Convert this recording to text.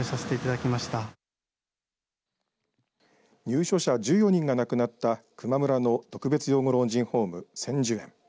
入所者１４人が亡くなった球磨村の特別養護老人ホーム、千寿園。